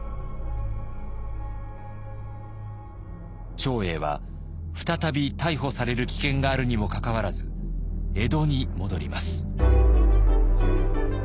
長英は再び逮捕される危険があるにもかかわらず江戸に戻ります。